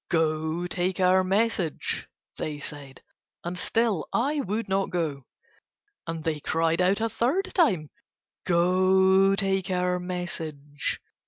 "Go take our message," they said. And still I would not go, and they cried out a third time: "Go take our message."